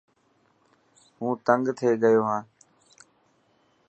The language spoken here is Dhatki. هون تنگ ٿييگيو هان.